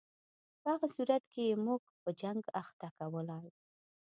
په هغه صورت کې یې موږ په جنګ اخته کولای.